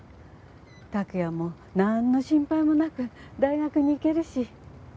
託也もなんの心配もなく大学に行けるし。